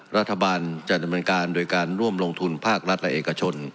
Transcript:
รัฐบาลจะดำเนินการโดยการร่วมลงทุนภาครัฐและเอกชน